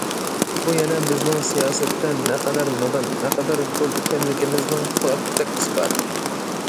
بۇ يەنە، بىزنىڭ سىياسەتتە نەقەدەر نادان، نەقەدەر گول ئىكەنلىكىمىزنىڭ پولاتتەك ئىسپاتى.